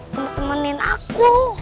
kalo temenin aku